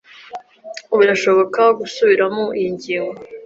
Birashoboka gusubiramo iyi ngingo?